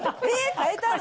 変えたの？